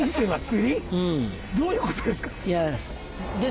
どういうことですか？